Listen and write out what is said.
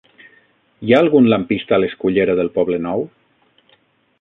Hi ha algun lampista a la escullera del Poblenou?